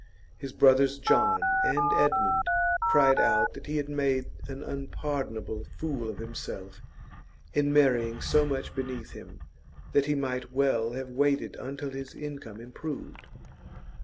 His brothers, John and Edmund, cried out that he had made an unpardonable fool of himself in marrying so much beneath him; that he might well have waited until his income improved.